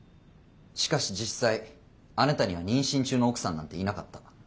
しかし実際あなたには妊娠中の奥さんなんていなかった。